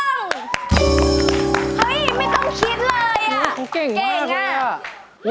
เฮ้ยไม่ต้องคิดเลยอ่ะเก่งอ่ะเขาเก่งมากเลยอ่ะ